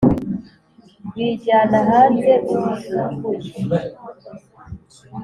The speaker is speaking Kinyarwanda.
bijyana hanze ubijugunye